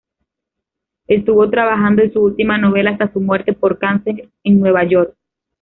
Estuvo trabajando en su última novela hasta su muerte por cáncer en Nueva York.